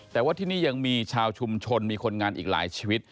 แต่ว่าที่นี่ยังมีชาวชุมชนมีคนงานอีกหลายชีวิต